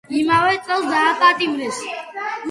იმავე წელს დააპატიმრეს.